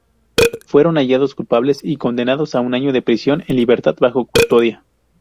Fueron hallados culpables y condenados a un año de prisión, en libertad bajo custodia.